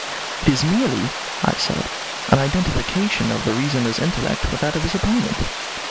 "It is merely," I said, "an identification of the reasoner's intellect with that of his opponent."